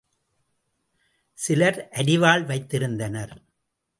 சிலர் அரிவாள் வைத்திருந்தனர்.